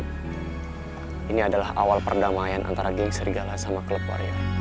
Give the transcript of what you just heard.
pitah boleh dicoba